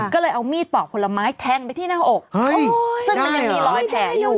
ก็เลยเอามีดปอกผลไม้แทงไปที่หน้าอกเฮ้ยสักหน่อยเหรอมันยังมีรอยแผลอยู่